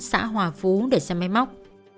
xã hòa phú để xe máy móc